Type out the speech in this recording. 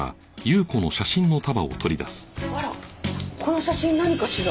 あらこの写真何かしら？